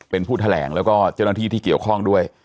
เป็นผู้แถลงแล้วก็เจ้าหน้าที่ที่เกี่ยวข้องด้วย